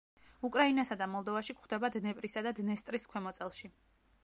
უკრაინასა და მოლდოვაში გვხვდება დნეპრისა და დნესტრის ქვემოწელში.